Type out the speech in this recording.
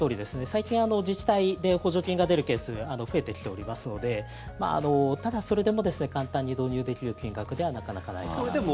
最近、自治体で補助金が出るケース増えてきておりますのでただ、それでも簡単に導入できる金額ではなかなかないかなと思います。